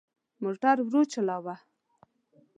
موټر ورو چلوه.